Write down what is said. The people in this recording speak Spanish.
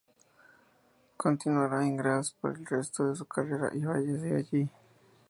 Continuará en Graz por el resto de su carrera, y fallece allí.